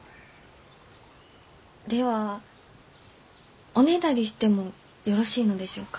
ではおねだりしてもよろしいのでしょうか？